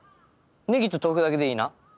ネギと豆腐だけでいいな？